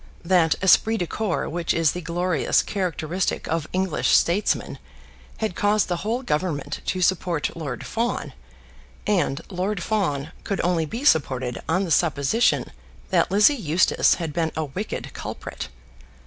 That esprit de corps which is the glorious characteristic of English statesmen had caused the whole Government to support Lord Fawn, and Lord Fawn could only be supported on the supposition that Lizzie Eustace had been a wicked culprit.